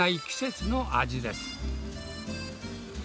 季節の味です。